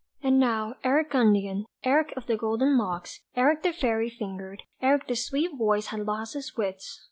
and now Eric Gundian, Eric of the golden locks Eric the fairy fingered, Eric the sweet voiced had lost his wits!